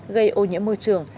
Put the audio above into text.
gây ô nhiễm môi trường